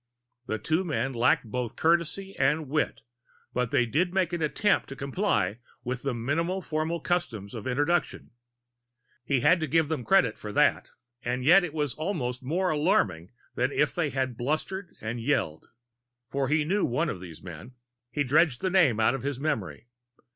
The two men lacked both courtesy and wit, but they did make an attempt to comply with the minimal formal customs of introduction. He had to give them credit for that; and yet it was almost more alarming than if they had blustered and yelled. For he knew one of these men. He dredged the name out of his memory.